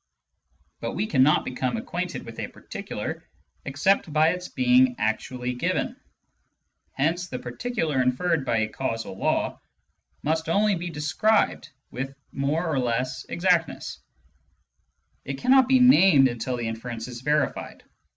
But we cannot become acquainted with a particular except by its being actually given. Hence the particular inferred by a causal law must be only described with more or less exactness ; it cannot be named until the inference is verified.